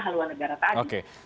haluan negara tadi